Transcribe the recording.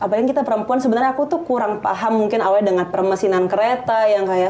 apalagi kita perempuan sebenarnya aku tuh kurang paham mungkin awalnya dengan permesinan kereta yang kayak